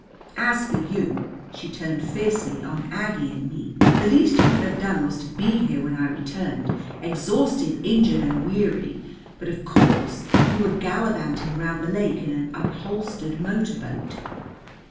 As for you" she turned fiercely on Aggie and me "the least you could have done was to be here when I returned, exhausted, injured, and weary; but, of course, you were gallivanting round the lake in an upholstered motor boat."